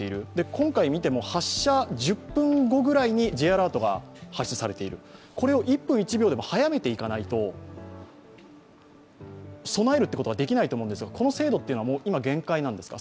今回見ても、発射１０分後くらいにＪアラートが発出されている、これを１分１秒でも早めていかないと、備えることができないと思うんですがこの精度というのは今、限界なんですか？